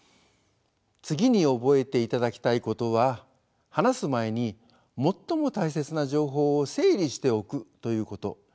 次に覚えていただきたいことは話す前に最も大切な情報を整理しておくということ。